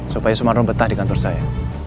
supaya sumarno betah di kantor saya